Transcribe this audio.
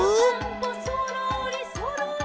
「そろーりそろり」